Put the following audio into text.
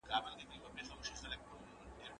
ایا د پانګي تولید په اقتصاد کي مهم دی؟